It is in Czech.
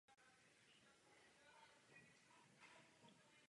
Po opravě se ale už do Trutnova nevrátí.